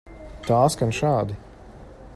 Tā skan šādi.